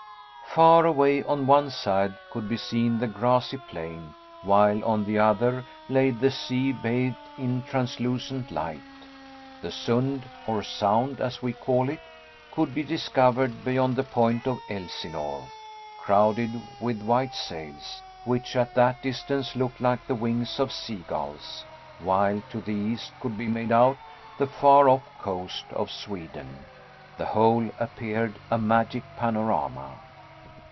Far away on one side could be seen the grassy plain, while on the other lay the sea bathed in translucent light. The Sund, or Sound as we call it, could be discovered beyond the point of Elsinore, crowded with white sails, which, at that distance looked like the wings of seagulls; while to the east could be made out the far off coast of Sweden. The whole appeared a magic panorama.